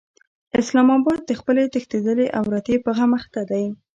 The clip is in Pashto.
اسلام اباد د خپلې تښتېدلې عورتې په غم اخته دی.